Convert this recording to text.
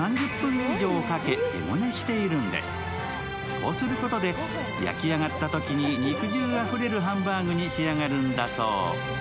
こうすることで焼き上がったときに肉汁あふれるハンバーグに仕上がるんだそう。